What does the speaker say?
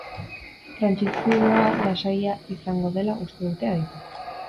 Trantsizioa lasaia izango dela uste dute adituek.